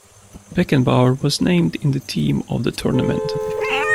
Beckenbauer was named in the Team of the Tournament.